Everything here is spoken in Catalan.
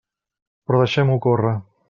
Però deixem-ho córrer.